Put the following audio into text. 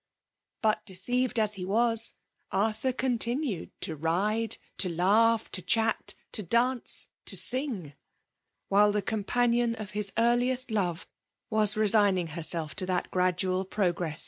But deceived as he was, Arthur con tinued to ride, to laugh, to chat^ to dance, to sing, — ^while the companion of his earliest love was resigning herself to that gradual progress 118 FEMALB MlilNATION.